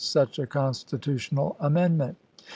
such a constitutional amendment.